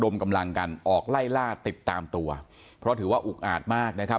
มกำลังกันออกไล่ล่าติดตามตัวเพราะถือว่าอุกอาจมากนะครับ